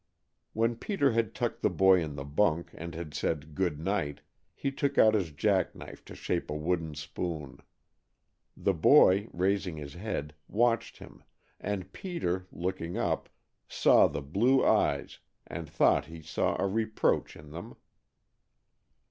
When Peter had tucked the boy in the bunk, and had said "Good night," he took out his jack knife to shape a wooden spoon. The boy, raising his head, watched him, and Peter, looking up, saw the blue eyes and thought he saw a reproach in them.